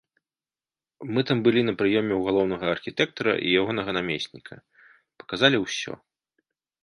Мы там былі на прыёме ў галоўнага архітэктара і ягонага намесніка, паказалі ўсё.